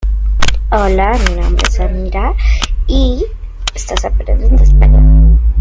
Estudió, luego fue Profesor y finalmente Director de esos centros de estudios militares ecuatorianos.